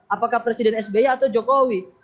apakah presiden sby atau jokowi